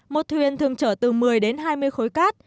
một thuyền thường chở từ một mươi đến hai mươi khối cát